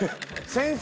先生！